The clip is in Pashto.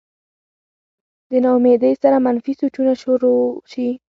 د نا امېدۍ سره منفي سوچونه شورو شي